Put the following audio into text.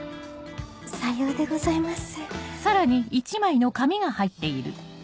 さようでございます。